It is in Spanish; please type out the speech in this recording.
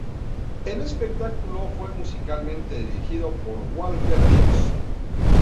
El espectáculo fue musicalmente dirigido por Walter Ríos.